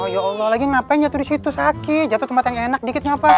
ya allah lagi ngapain jatuh disitu sakit jatuh tomat yang enak dikit ngapa